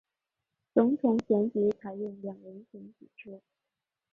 总统选举采用两轮选举制。